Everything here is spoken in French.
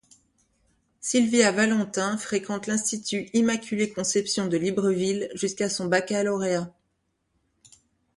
Sylvia Valentin fréquente l’Institut Immaculée-Conception de Libreville jusqu’à son baccalauréat.